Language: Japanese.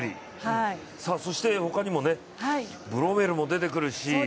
そして他にもブロメルも出てくるし。